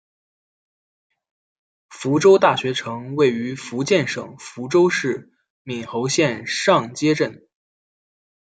福州大学城位于福建省福州市闽侯县上街镇。